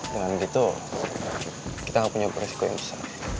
dengan gitu kita gak punya beresiko yang besar